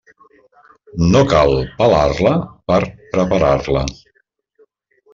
No cal pelar-la per preparar-la.